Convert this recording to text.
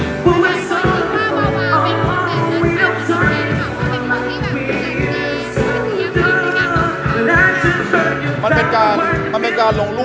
แต่ว่าเกิดว่าเข้าใจผิดจริงหรอ